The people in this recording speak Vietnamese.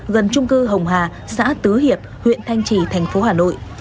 gần trung cư hồng hà xã tứ hiệp huyện thanh trì tp hà nội